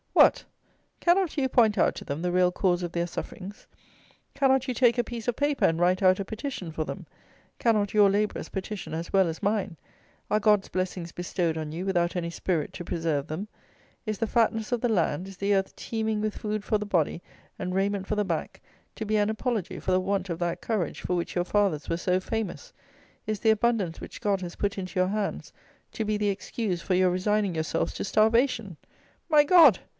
What! cannot you point out to them the real cause of their sufferings; cannot you take a piece of paper and write out a petition for them; cannot your labourers petition as well as mine; are God's blessings bestowed on you without any spirit to preserve them; is the fatness of the land, is the earth teeming with food for the body and raiment for the back, to be an apology for the want of that courage for which your fathers were so famous; is the abundance which God has put into your hands, to be the excuse for your resigning yourselves to starvation? My God!